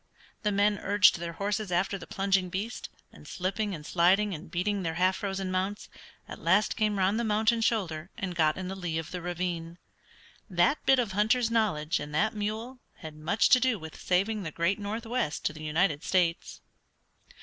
The men urged their horses after the plunging beast, and slipping and sliding and beating their half frozen mounts, at last came around the mountain shoulder and got in the lee of the ravine. That bit of hunter's knowledge and that mule had much to do with saving the great northwest to the United States.